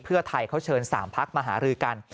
เพื่อไทยเขาเชิญ๓พักมาหารือกัน